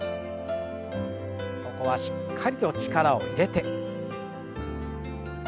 ここはしっかりと力を入れて。